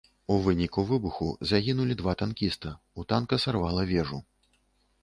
У выніку выбуху загінулі два танкіста, у танка сарвала вежу.